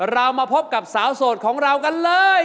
เรามาพบกับสาวโสดของเรากันเลย